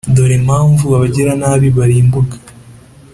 Dore mpamvu abagiranabi barimbuka vuba.